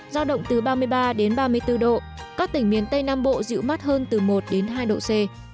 giao động từ ba mươi ba ba mươi bốn độ các tỉnh miền tây nam bộ dịu mắt hơn từ một hai độ c